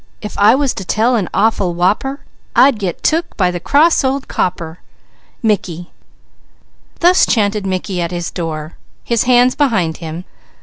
If I was to tell an awful whopper, I'd get took by the cross old copper._" Thus chanted Mickey at his door, his hands behind him.